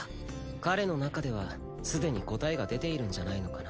彼の中ではすでに答えが出ているんじゃないのかな。